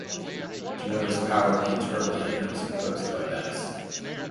Genoa's power peaked early, and it was eclipsed by Venice.